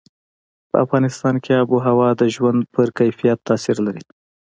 په افغانستان کې آب وهوا د ژوند په کیفیت تاثیر لري.